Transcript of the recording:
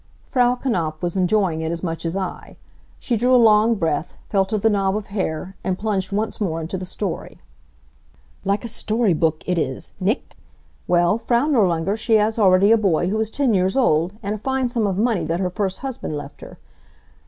Frau Knapf was enjoying it as much as I. She drew a long breath, felt of the knob of hair, and plunged once more into the story. "Like a story book it is, nicht? Well, Frau Nirlanger, she has already a boy who is ten years old, and a fine sum of money that her first husband left her.